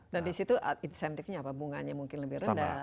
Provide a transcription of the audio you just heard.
dan di situ insentifnya apa bunganya mungkin lebih rendah